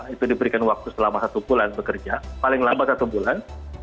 itu diberikan waktu selama satu bulan bekerja paling lambat satu bulan